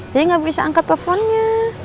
jadi gak bisa angkat teleponnya